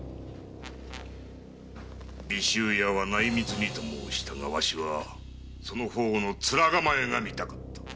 尾州屋は内密にと申したがわしはその方の面構えが見たかった。